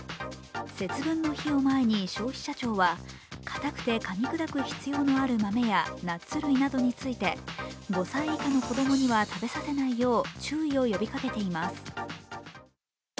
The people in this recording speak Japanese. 節分の日を前に消費者庁はかたくてかみ砕く必要のある豆やナッツ類などについて、５歳以下の子供には食べさせないよう注意を呼びかけています。